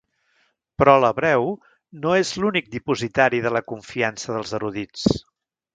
Però l'hebreu no és l'únic dipositari de la confiança dels erudits.